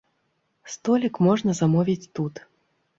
Столік можна замовіць тут.